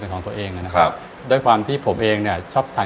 เริ่มต้นออนทัวร้านแรกนะครับกับร้านเส้นหลากสิบครับ